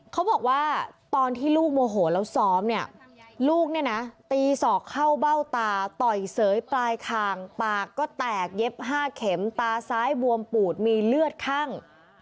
เขาบอกว่าตอนที่ลูกโมโหแล้วซ้อมเนี่ยลูกเนี่ยนะตีศอกเข้าเบ้าตาต่อยเสยปลายคางปากก็แตกเย็บ๕เข็มตาซ้ายบวมปูดมีเลือดคั่ง